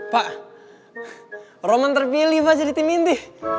pak roman terpilih pak jadi tim inti